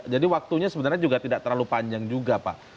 jadi waktunya sebenarnya juga tidak terlalu panjang juga pak